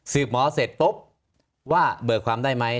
หมอเสร็จปุ๊บว่าเบิกความได้ไหม